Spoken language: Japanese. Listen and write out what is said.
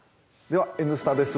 では「Ｎスタ」です。